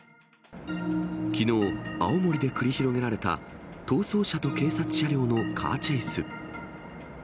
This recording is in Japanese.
きのう、青森で繰り広げられた、逃走車と警察車両のカーチェイス。